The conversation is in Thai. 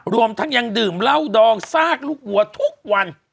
รวมทั้งยังดื่มเหล้าดองซากลูกวัวทุกวัน